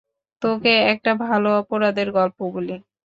তোকে একটা ভালো অপরাধের গল্প বলি?